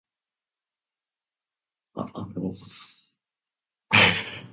てえがいた、稗史的な娘の絵姿のような感じだった。